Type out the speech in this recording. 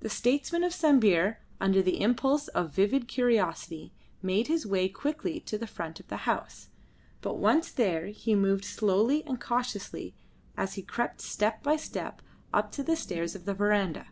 The statesman of Sambir, under the impulse of vivid curiosity, made his way quickly to the front of the house, but once there he moved slowly and cautiously as he crept step by step up the stairs of the verandah.